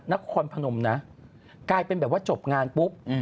นครพนมนะกลายเป็นแบบว่าจบงานปุ๊บ